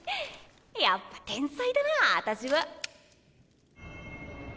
やっぱ天才だなアタシは。